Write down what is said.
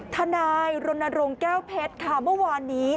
ทนายรณรงค์แก้วเพชรค่ะเมื่อวานนี้